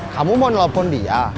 kamu mau telepon dia